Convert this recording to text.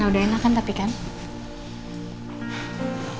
pasang dangun pasti menghabiskan mu